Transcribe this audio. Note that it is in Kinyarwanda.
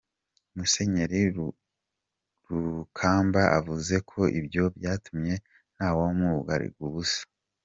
Musenyeri Rukamba avuze ko ibyo byatumye ntawamubwiraga ubusa.